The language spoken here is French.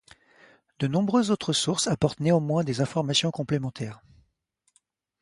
De nombreuses autres sources apportent néanmoins des informations complémentaires.